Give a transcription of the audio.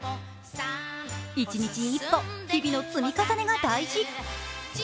一日一歩、日比の積み重ねが大事。